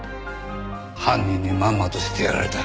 犯人にまんまとしてやられた。